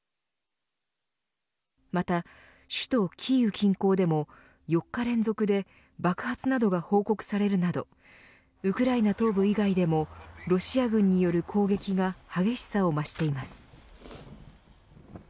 また首都キーウ近郊でも４日連続で爆発などが報告されるなどウクライナ東部以外でもロシア軍による攻撃が激しさを増しています。